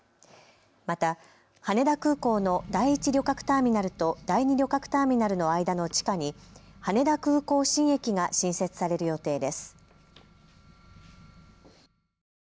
また羽田空港の第１旅客ターミナルと第２旅客ターミナルの間の地下に羽田空港新駅が新設される予定です。